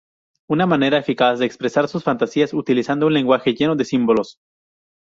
Una manera eficaz de expresar sus fantasías, utilizando un lenguaje lleno de símbolos.